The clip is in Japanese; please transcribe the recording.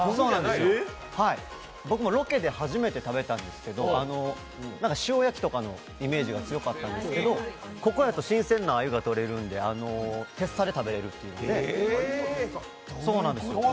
僕もロケで初めて食べたんですけど、塩焼きとかのイメージが強かったんですけど、ここやと新鮮なあゆがとれるので鉄刺で食べられるという。